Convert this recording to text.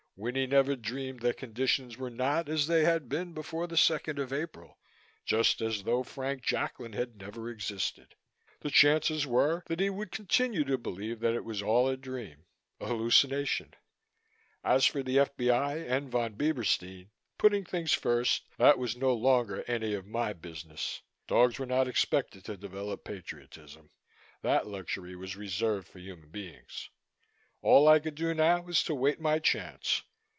Winnie never dreamed that conditions were not as they had been before the second of April, just as though Frank Jacklin had never existed. The chances were that he would continue to believe that it was all a dream, an hallucination. As for the F.B.I. and Von Bieberstein, putting first things first, that was no longer any of my business. Dogs were not expected to develop patriotism: that luxury was reserved for human beings. All I could do now was to wait my chance.